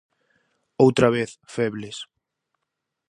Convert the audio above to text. Outra vez febles...